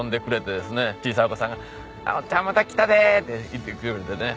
小さいお子さんが「おっちゃんまた来たで」って言って来よるんでね。